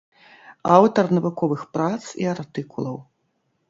Аўтар навуковых прац і артыкулаў.